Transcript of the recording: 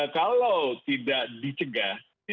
kalau tidak dicegah